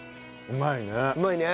うまいね。